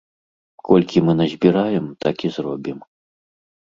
Колькі мы назбіраем, так і зробім.